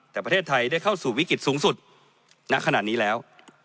แต่ประเทศไทยได้เข้าสู่วิกฤตสูงสุดณขณะนี้แล้ว